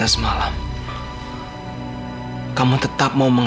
anda mereka ifman totaku dalam tiga puluh menit